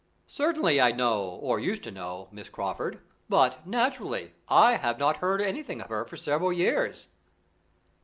"Certainly I know, or used to know, Miss Crawford, but, naturally, I have not heard anything of her for several years."